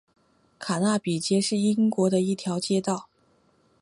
卡纳比街是英国的一条街道。